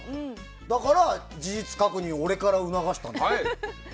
だから、事実確認を俺から促したんだよ。